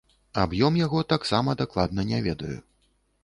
Аб'ём яго таксама дакладна не ведаю.